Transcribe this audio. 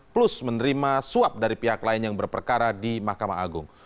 plus menerima suap dari pihak lain yang berperkara di mahkamah agung